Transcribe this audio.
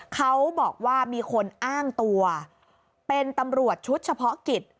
เขาบอกว่ามีคนอ้างตัวเป็นตำรวจชุดเฉพาะกิจ